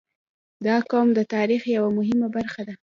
• دا قوم د تاریخ یوه مهمه برخه ده.